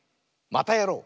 「またやろう！」。